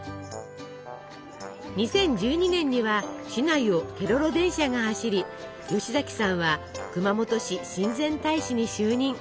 ２０１２年には市内をケロロ電車が走り吉崎さんは熊本市親善大使に就任。